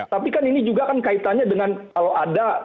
tapi kan ini juga kan kaitannya dengan kalau ada